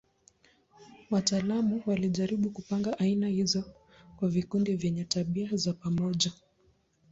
Wataalamu walijaribu kupanga aina hizo kwa vikundi vyenye tabia za pamoja.